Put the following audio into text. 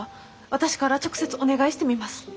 私から直接お願いしてみます。